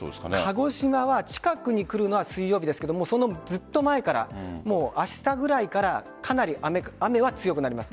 鹿児島は近くに来るのは水曜日ですけれどそのずっと前からあしたぐらいからかなり雨は強くなります。